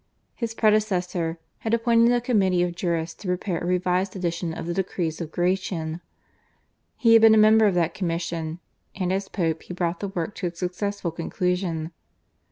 His predecessor had appointed a committee of jurists to prepare a revised edition of the Decrees of Gratian. He had been a member of that commission, and as Pope he brought the work to a successful conclusion.